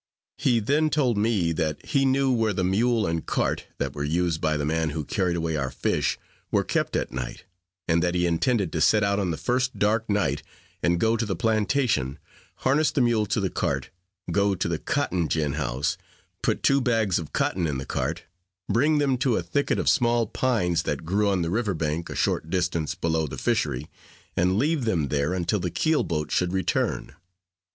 He then told me, that he knew where the mule and cart, that were used by the man who carried away our fish, were kept at night; and that he intended to set out on the first dark night, and go to the plantation harness the mule to the cart go to the cotton gin house put two bags of cotton into the cart bring them to a thicket of small pines that grew on the river bank, a short distance below the fishery, and leave them there until the keel boat should return.